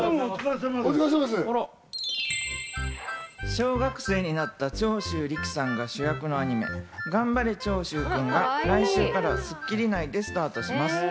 小学生になった長州力さんが主役のアニメ『がんばれ！長州くん』が来週からスッキリ内でスタートします。